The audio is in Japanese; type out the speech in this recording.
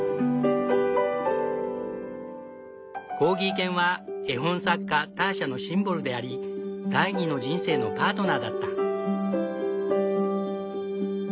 コーギー犬は絵本作家ターシャのシンボルであり第二の人生のパートナーだった。